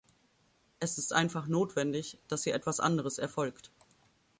Es ist einfach notwendig, dass hier etwas anderes erfolgt.